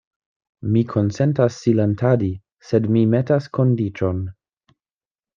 Mi konsentas silentadi; sed mi metas kondiĉon.